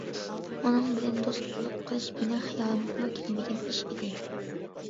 ئۇنىڭ بىلەن دوست بولۇپ قېلىش مېنىڭ خىيالىمغىمۇ كەلمىگەن ئىش ئىدى.